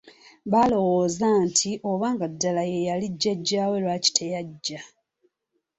Baalowooza nti obanga ddala ye yali jjajjawe lwaki teyajja.